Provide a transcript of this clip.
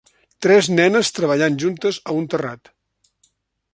Tres nenes treballant juntes a un terrat.